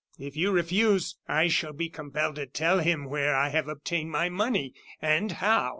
If you refuse, I shall be compelled to tell him where I have obtained my money and how."